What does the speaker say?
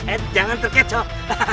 eh jangan terkecoh